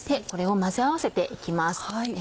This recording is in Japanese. これを混ぜ合わせて行きます。